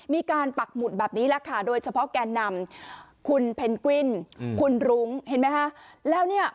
มีการปักหมุดแบบนี้แหละค่ะโดยเฉพาะแก่นำคุณเพนกวิ่นคุณรุ้งเห็นไหมคะ